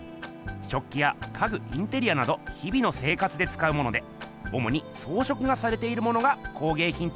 食器や家具インテリアなど日々の生活でつかうものでおもにそうしょくがされているものが工げいひんとよばれています。